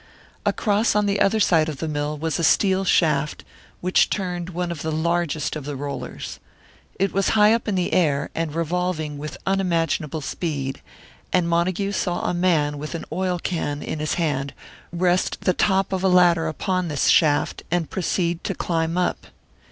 Across on the other side of the mill was a steel shaft, which turned one of the largest of the rollers. It was high up in the air, and revolving with unimaginable speed, and Montague saw a man with an oil can in his hand rest the top of a ladder upon this shaft, and proceed to climb up.